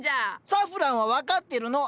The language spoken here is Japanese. サフランは分かってるの。